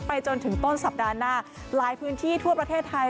จนถึงต้นสัปดาห์หน้าหลายพื้นที่ทั่วประเทศไทย